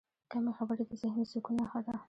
کمې خبرې، د ذهني سکون نښه ده.